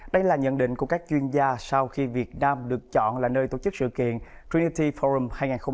đây là nhận định của các chuyên gia sau khi việt nam được chọn là nơi tổ chức sự kiện trinity forum hai nghìn hai mươi bốn